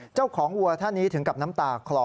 วัวท่านนี้ถึงกับน้ำตาคลอ